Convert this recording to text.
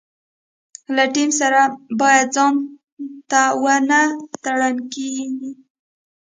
له ټیم سره باید ځانته ونه ترنګېږي.